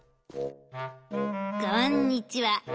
「こんにちは。